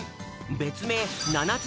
べつめいななつ